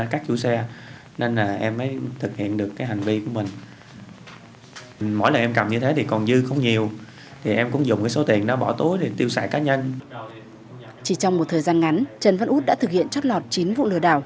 chỉ trong một thời gian ngắn trần văn út đã thực hiện chót lọt chín vụ lừa đảo